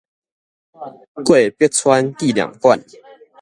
郭柏川紀念館